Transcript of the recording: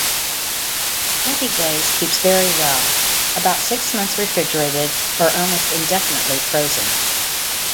Demi-glace keeps very well, about six months refrigerated or almost indefinitely frozen.